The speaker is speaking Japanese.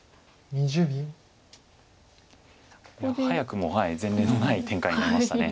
早くも前例のない展開になりました。